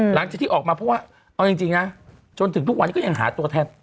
หลังจากที่ออกมาเพราะว่าเอาจริงนะจนถึงทุกวันนี้ก็ยังหาตัวแทน